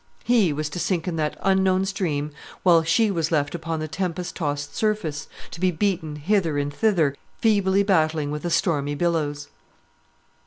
He was to sink in that unknown stream while she was left upon the tempest tossed surface, to be beaten hither and thither, feebly battling with the stormy billows.